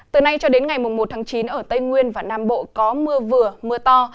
từ nay cho đến ngày một tháng chín ở tây nguyên và nam bộ có mưa vừa mưa to